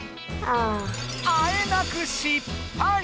あえなく失敗！